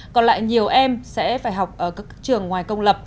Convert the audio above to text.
còn lại nhiều em sẽ phải học ở các trường ngoài công lập